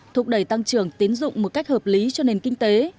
thúc đẩy tăng trưởng tiến dụng một cách hợp lý cho nền kinh tế